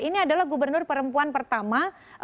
ini adalah gubernur perempuan pertama